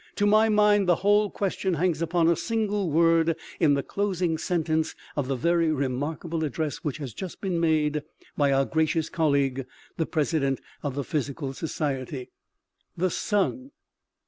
To my mind the whole question hangs upon a single word in the closing sentence of the very remarkable address which has just been made by our gracious colleague, the president of the physical society. " The sun